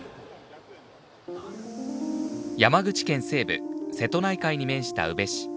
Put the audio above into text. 山口県西部、瀬戸内海に面した宇部市。